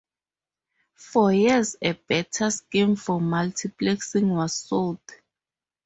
For years a better scheme for multiplexing was sought.